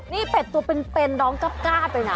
นี่เป็ดตัวเป็นเป็นน้องกล้าบกล้าบไปนะ